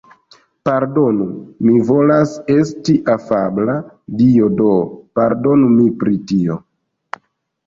Pardonu. Mi volas esti afabla dio, do, pardonu pri tio.